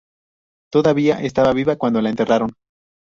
Todavía estaba viva cuando la enterraron.